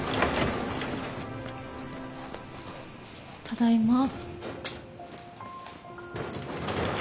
ただいま。